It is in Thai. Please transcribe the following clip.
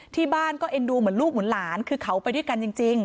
ที่บ้านก็เอ็นดูเหมือนลูกเหมือนหลานคือเขาไปด้วยกันจริง